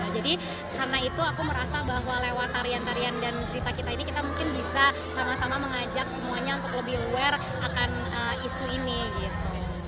karena itu aku merasa bahwa lewat tarian tarian dan cerita kita ini kita mungkin bisa sama sama mengajak semuanya untuk lebih aware akan isu ini gitu